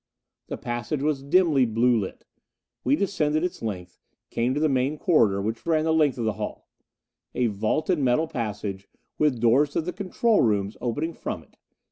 The passage was dimly blue lit. We descended its length, came to the main corridor, which ran the length of the hull. A vaulted metal passage, with doors to the control rooms opening from it.